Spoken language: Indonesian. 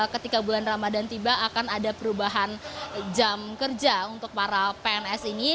ketika bulan ramadhan tiba akan ada perubahan jam kerja untuk para pns ini